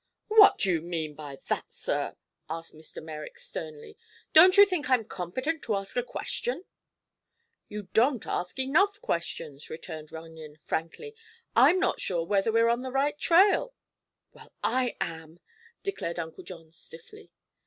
"What do you mean by that, sir?" asked Mr. Merrick, sternly. "Don't you think I'm competent to ask a question?" "You don't ask enough questions," returned Runyon frankly. "I'm not sure we're on the right trail." "Well, I am," declared Uncle John, stiffly.